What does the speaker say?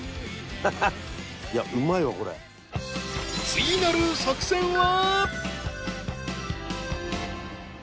［次なる作戦は］